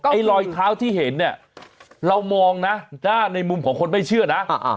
ไอ้รอยเท้าที่เห็นเนี่ยเรามองนะในมุมของคนไม่เชื่อนะ